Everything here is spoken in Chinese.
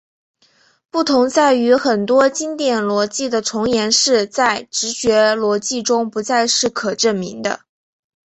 不同在于很多经典逻辑的重言式在直觉逻辑中不再是可证明的。